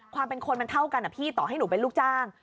ความเป็นคนมันเท่ากันนะพี่ต่อให้หนูเป็นลูกจ้าง